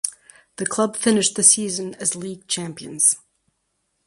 The club finished the season as league champions.